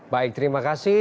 baik terima kasih